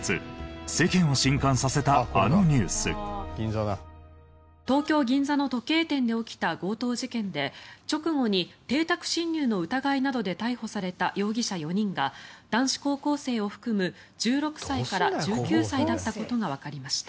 先月東京銀座の時計店で起きた強盗事件で直後に邸宅侵入の疑いなどで逮捕された容疑者４人が男子高校生を含む１６歳から１９歳だった事がわかりました。